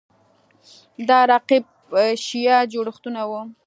دا رقیب شیعه جوړښتونه وو